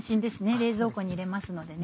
冷蔵庫に入れますので。